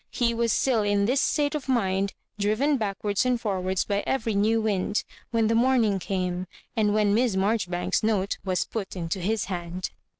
He was still in this state of mind, driven backwards and forwards by every new wind, when the morning came, and when Miss Marjoribanks's note was put into his hand.